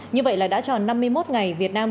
như vậy là đã tròn năm mươi một ngày việt nam